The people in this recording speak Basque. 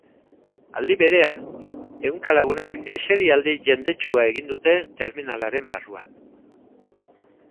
Aldi berean, ehunka lagunek eserialdi jendetsua egin dute terminalaren barruan.